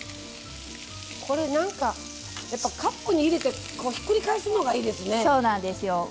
これカップに入れてひっくり返すのがいいですね。